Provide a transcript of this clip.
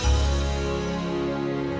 kita ke rumah